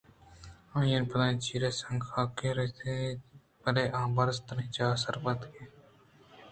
آئی ءِ پادانی چیر ءَ سنگءُحاک بُن ءَ ریچان اِت اَنت بلئے آ برز تریں جاہ ءَ سر بیتگ اَت